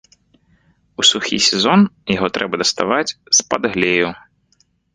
У сухі сезон яго трэба даставаць з-пад глею.